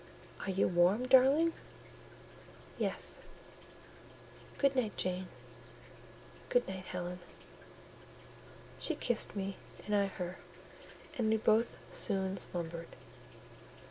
"Are you warm, darling?" "Yes." "Good night, Jane." "Good night, Helen." She kissed me, and I her, and we both soon slumbered.